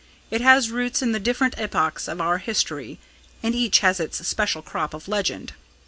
It has roots in the different epochs of our history, and each has its special crop of legend.